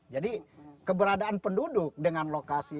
jadi keberadaan penduduk dengan lokasi